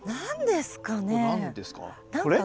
何ですかね？